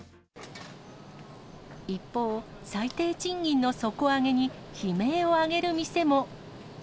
一方、最低賃金の底上げに悲鳴を上げる店も。